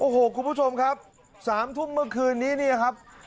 โอ้โหคุณผู้ชมครับ๓ทุ่มเมื่อคืนนี้เนี่ยครับ